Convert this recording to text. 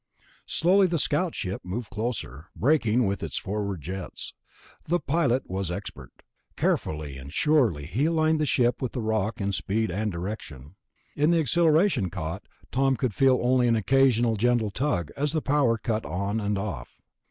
Slowly the scout ship moved closer, braking with its forward jets. The pilot was expert. Carefully and surely he aligned the ship with the rock in speed and direction. In the accelleration cot Tom could feel only an occasional gentle tug as the power cut on and off.